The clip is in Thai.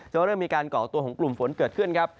เริ่มมีการก่อตัวของกลุ่มฝนเกิดขึ้นครับ